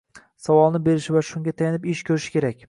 savolni berishi va shunga tayanib ish ko‘rishi kerak.